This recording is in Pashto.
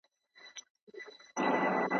یوه ورځ راته دا فکر پیدا نه سو